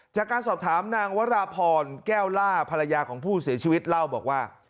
จากการสอบถามนางวราพรแก้วล่าภรรยาของผู้เสียชีวิตเล่าบอกว่า